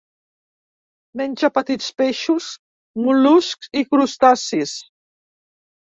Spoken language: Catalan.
Menja petits peixos, mol·luscs i crustacis.